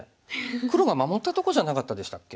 黒が守ったとこじゃなかったでしたっけ？